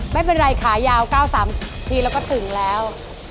ไม่เป็นไรขายาว๙๓ทีแล้วก็ถึงแล้ว